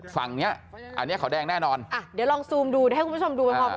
ฝั่งเนี้ยอันเนี้ยขาวแดงแน่นอนอ่ะเดี๋ยวลองซูมดูเดี๋ยวให้คุณผู้ชมดูไปพร้อมกัน